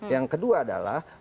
yang kedua adalah